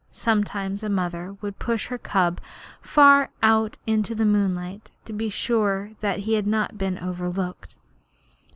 Sometimes a mother would push her cub far out into the moonlight, to be sure that he had not been overlooked.